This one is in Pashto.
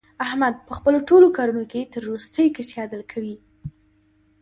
احمد په خپلو ټول کارونو کې تر ورستۍ کچې عدل کوي.